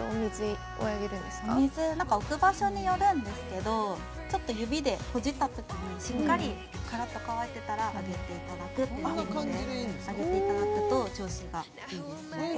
お水置く場所によるんですけどちょっと指でほじったときにしっかりカラッと乾いてたらあげていただくっていう頻度であげていただくと調子がいいですね